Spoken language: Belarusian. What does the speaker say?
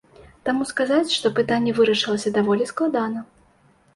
Таму сказаць, што пытанне вырашылася, даволі складана.